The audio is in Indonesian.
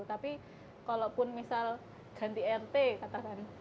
tapi kalaupun misal ganti rt katakan